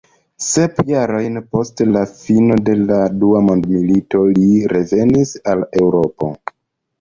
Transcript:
Sep jarojn post la fino de la dua mondmilito li revenis al Eŭropo.